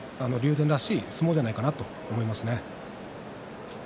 電らしい相撲じゃないかなと思いますね。